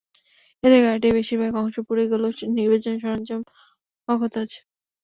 এতে গাড়িটির বেশির ভাগ অংশ পুড়ে গেলেও নির্বাচনী সরঞ্জাম অক্ষত আছে।